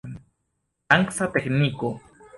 Danca tekniko.